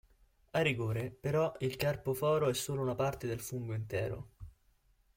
A rigore, però, il carpoforo è solo una parte del fungo intero.